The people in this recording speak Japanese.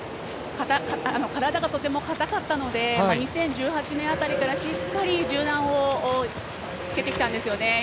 体がとても硬かったので２０１８年辺りからしっかり柔軟をつけてきたんですよね。